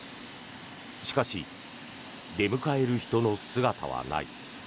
しかし、出迎える人の姿はない。